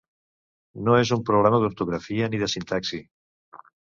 No és un problema d'ortografia ni de sintaxi.